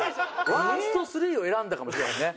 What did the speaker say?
ワースト３を選んだかもしれんね